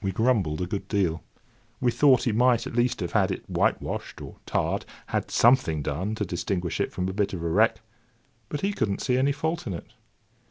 We grumbled a good deal. We thought he might, at least, have had it whitewashed or tarred—had something done to it to distinguish it from a bit of a wreck; but he could not see any fault in it.